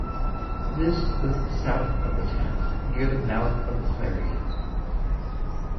This was south of the town near the mouth of the Clarion.